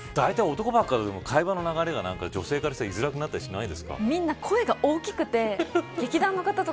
男ばっかりだと会話の流れが女性から言いづらくなったりしないですか。